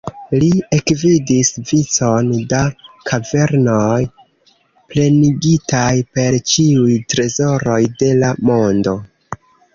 Li ekvidis vicon da kavernoj, plenigitaj per ĉiuj trezoroj de la mondo.